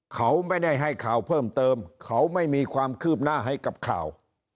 เขาไม่ได้ให้ข่าวเพิ่มเติมเขาไม่มีความคืบหน้าให้กับข่าว